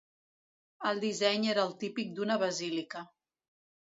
El disseny era el típic d'una basílica.